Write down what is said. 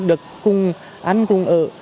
được cùng ăn cùng ở